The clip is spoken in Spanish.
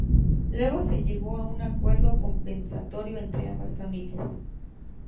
Luego se llegó a un acuerdo compensatorio entre ambas familias.